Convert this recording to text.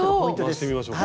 回してみましょうか。